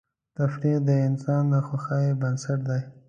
تفریح د انسان د خوښۍ بنسټ دی.